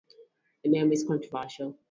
The name is controversial.